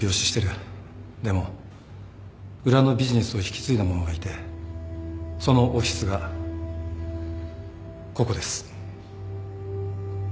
でも裏のビジネスを引き継いだ者がいてそのオフィスがここです。